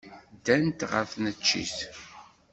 Ddant ɣer tneččit.